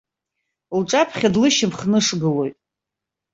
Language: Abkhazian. Лҿаԥхьа длышьамхнышгылоит.